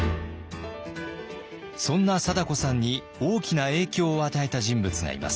そんな貞子さんに大きな影響を与えた人物がいます。